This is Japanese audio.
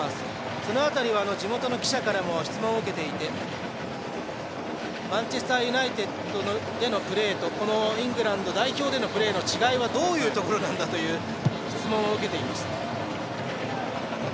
その辺りは地元の記者からも質問を受けていてマンチェスター・ユナイテッドのプレーとチームでのプレーの違いはどういうところなんだという質問を受けていました。